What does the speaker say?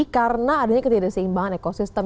karena adanya ketidakseimbangan ekosistem